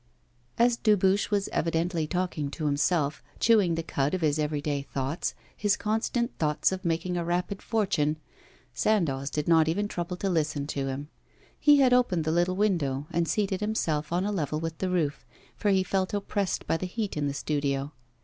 As Dubuche was evidently talking to himself, chewing the cud of his everyday thoughts his constant thoughts of making a rapid fortune Sandoz did not even trouble to listen to him. He had opened the little window, and seated himself on a level with the roof, for he felt oppressed by the heat in the studio.